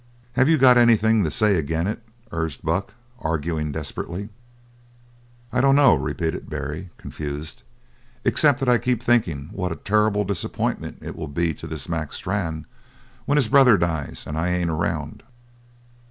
"Have you got anything to say agin it?" urged Buck, arguing desperately. "I dunno," repeated Barry, confused, "except that I keep thinking what a terrible disappointment it'll be to this Mac Strann when his brother dies and I ain't around."